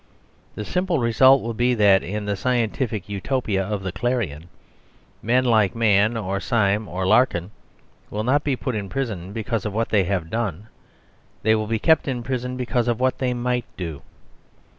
The simple result will be that, in the scientific Utopia of the "Clarion," men like Mann or Syme or Larkin will not be put in prison because of what they have done. They will be kept in prison because of what they might do.